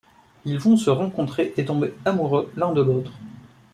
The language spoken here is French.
Ils vont se rencontrer et tomber amoureux l'un de l'autre.